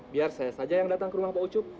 biar saya saja yang datang ke rumah pak ucup